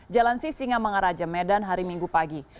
jalan sisinga mangaraja medan hari minggu pagi